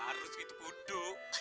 ya harus gitu kudu